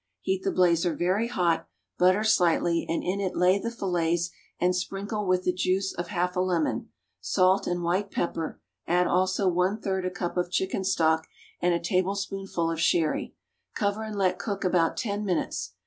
Heat the blazer very hot, butter slightly, and in it lay the fillets and sprinkle with the juice of half a lemon, salt and white pepper; add, also, one third a cup of chicken stock and a tablespoonful of sherry. Cover and let cook about ten minutes.